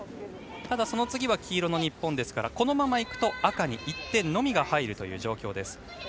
ただ、その次は黄色の日本ですからこのままいくと赤に１点のみが入るという状況です。